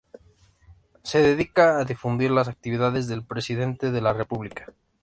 Se dedica a difundir las actividades del Presidente de la República.